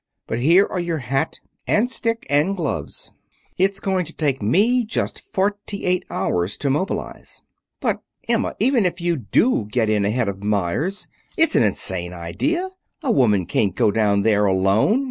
But here are your hat and stick and gloves. It's going to take me just forty eight hours to mobilize." "But, Emma, even if you do get in ahead of Meyers, it's an insane idea. A woman can't go down there alone.